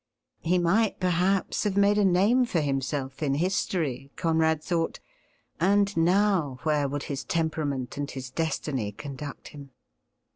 He might perhaps have made a name for himself in history, Conrad thought, and now where would his temperament and his destiny conduct him